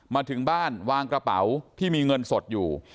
มาถึงบ้านวางกระเป๋าที่มีเงินสดอยู่